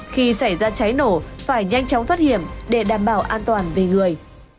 khi xảy ra cháy nổ phải nhanh chóng thoát hiểm để đảm bảo an toàn về người